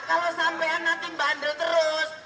kalau sampean nanti bandel terus